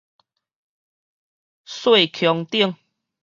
細穹頂